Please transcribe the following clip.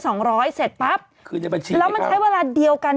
เสร็จปั๊บแล้วมันใช้เวลาเดียวกัน